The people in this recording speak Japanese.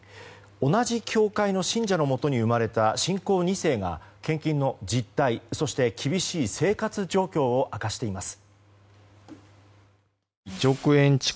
同じ教会の信者のもとに生まれた信仰２世が献金の実態、そして厳しい生活状況を明かしています。